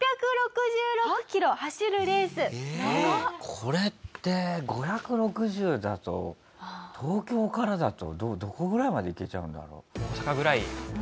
これって５６０だと東京からだとどこぐらいまで行けちゃうんだろう？